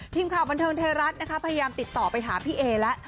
ทีมข่าวบันเทิงไทยรัฐนะคะพยายามติดต่อไปหาพี่เอแล้ว